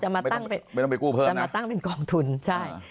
มาตั้งไม่ต้องไปกู้เพิ่มจะมาตั้งเป็นกองทุนใช่